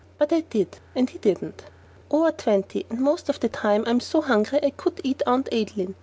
But I did; and he didn't. "Over twenty, and most of the time I am so hungry I could eat Aunt Adeline.